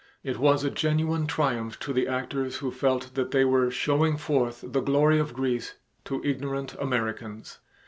It was a genuine triumph to the actors who felt that they were "showing forth the glory of Greece" to "ignorant Americans."